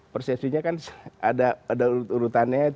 persepsinya kan ada urutannya